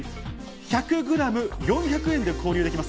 １００ｇ４００円で購入できます。